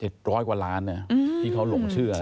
๗๐๐กว่าล้านที่เขาหลงเชื่อ